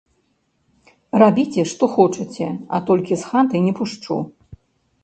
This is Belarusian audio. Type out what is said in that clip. Рабіце што хочаце, а толькі з хаты не пушчу!